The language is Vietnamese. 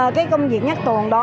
cái công việc nhắc tuồn đó